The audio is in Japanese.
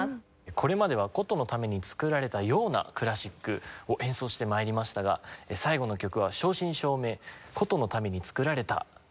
これまでは箏のために作られたようなクラシックを演奏して参りましたが最後の曲は正真正銘箏のために作られたクラシックです。